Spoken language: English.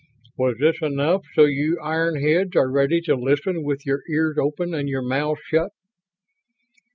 Was this enough so you iron heads are ready to listen with your ears open and your mouths shut?"